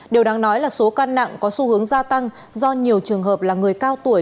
điều đáng nói là số căn nặng có xu hướng gia tăng do nhiều trường hợp là người cao tuổi